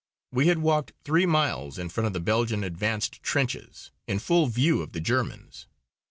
We had walked three miles in front of the Belgian advanced trenches, in full view of the Germans.